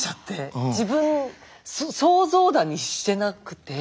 自分想像だにしてなくて。